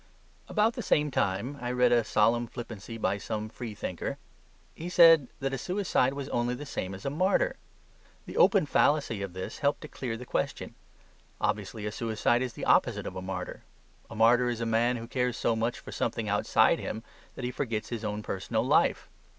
About the same time I read a solemn flippancy by some free thinker: he said that a suicide was only the same as a martyr. The open fallacy of this helped to clear the question. Obviously a suicide is the opposite of a martyr. A martyr is a man who cares so much for something outside him, that he forgets his own personal life.